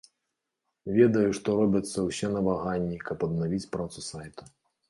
Ведаю, што робяцца ўсе намаганні, каб аднавіць працу сайту.